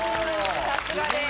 さすがです！